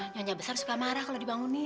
nyonya besar suka marah kalau dibangunin